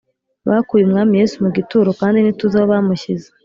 bakuye umwami yesu mu gituro, kandi ntituzi aho bamushyize